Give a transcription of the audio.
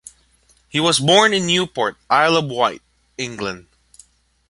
He was born in Newport, Isle of Wight, England.